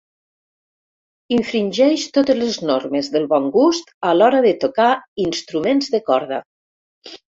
Infringeix totes les normes del bon gust a l'hora de tocar instruments de corda.